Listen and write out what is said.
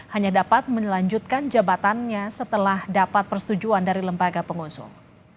hanya dapat melanjutkan jabatannya setelah dapat persetujuan dari lembaga pengusung